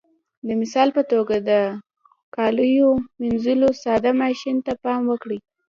د مثال په توګه د کاليو منځلو ساده ماشین ته پام وکړئ.